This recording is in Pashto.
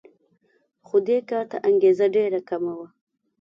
خو دې کار ته انګېزه ډېره کمه وه